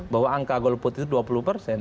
bahwa angka golput itu dua puluh persen